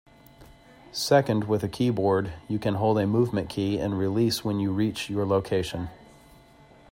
Second, with a keyboard you can hold a movement key and release when you reach your location.